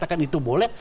mengatakan itu boleh